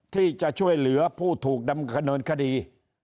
ที่จะช่วยเหลือผู้ถูกดำเนินคดี